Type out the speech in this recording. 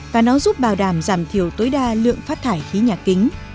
và nó giúp bảo đảm giảm thiểu tối đa lượng phát thải khí nhà kính